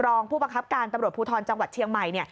รองผู้บังคับการตำรวจภูทรจังหวัดเชียงใหม่